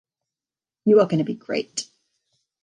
You are going to be great.